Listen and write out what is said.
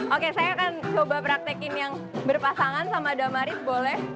oke saya akan coba praktekin yang berpasangan sama damaris boleh